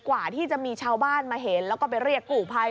กว่าที่จะมีชาวบ้านมาเห็นแล้วก็ไปเรียกกู่ภัย